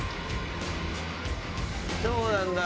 どうなんだ？